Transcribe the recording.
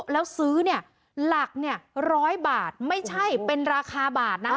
แล้วซื้อเนี่ยหลักร้อยบาทไม่ใช่เป็นราคาบาทนะ